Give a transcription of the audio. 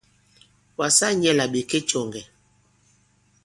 Wàsa nyɛ̄ là ɓè ke cɔ̀ŋgɛ̀.